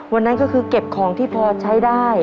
วันนั้นก็คือเก็บของที่พอใช้ได้